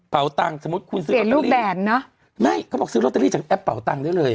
เป่าตังค์สมมุติคุณเสียลูกแบบเนอะไม่เขาบอกซื้อโรตเตอรี่จากแอปเป่าตังค์ได้เลย